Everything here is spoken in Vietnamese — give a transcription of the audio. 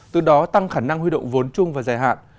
từ đó tăng khả năng huy động vốn chung và dài hạn